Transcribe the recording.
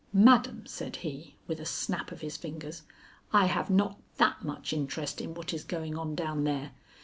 "Madam," said he, with a snap of his fingers, "I have not that much interest in what is going on down there.